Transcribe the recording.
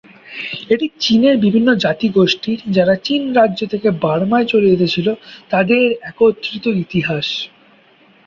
এটি চিনের বিভিন্ন জাতিগোষ্ঠীর যারা চীন রাজ্য থেকে বার্মায় চলে এসেছিল তাদের একত্রিত ইতিহাস।